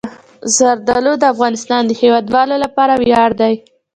زردالو د افغانستان د هیوادوالو لپاره ویاړ دی.